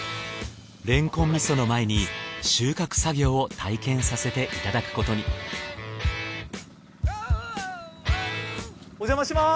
れんこん味噌の前に収穫作業を体験させていただくことにおじゃまします。